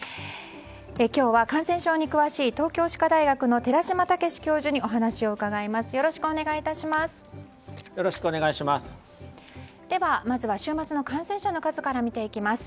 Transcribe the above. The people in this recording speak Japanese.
今日は感染症に詳しい東京歯科大学の寺嶋毅教授にお話を伺います。